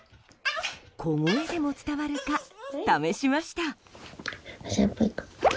小声でも伝わるか試しました。